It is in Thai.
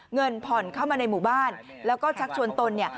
เงินผ่อนเข้ามาในหมู่บ้านแล้วก็ชักชวนตนเนี่ย